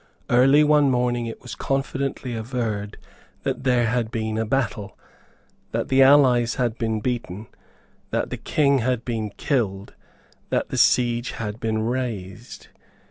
Early one morning it was confidently averred that there had been a battle, that the allies had been beaten, that the King had been killed, that the siege had been raised.